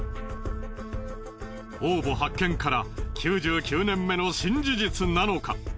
王墓発見から９９年目の新事実なのか？